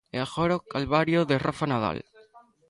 E agora o calvario de Rafa Nadal.